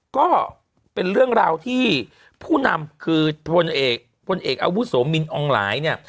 ก็เป็นเรื่องราวที่ผู้นำคือพลเอกพลเอกอาวุโสมินอองหลายเนี่ย